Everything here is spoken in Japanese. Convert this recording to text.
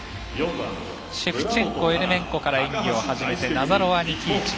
シェフチェンコ、エレメンコから演技を始めてナザロワ、ニキーチン。